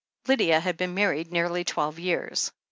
Lydia had been married nearly twelve years.